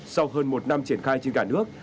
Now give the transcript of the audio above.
sau hơn một năm triển khai trên cả nước